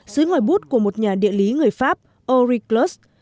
dưới ngoài bút của một nhà địa lý người pháp auriclus